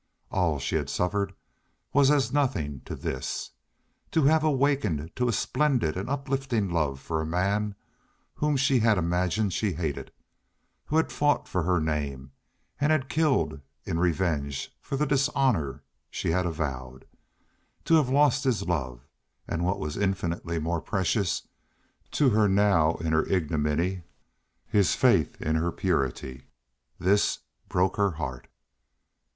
All she had suffered was as nothing to this. To have awakened to a splendid and uplifting love for a man whom she had imagined she hated, who had fought for her name and had killed in revenge for the dishonor she had avowed to have lost his love and what was infinitely more precious to her now in her ignominy his faith in her purity this broke her heart.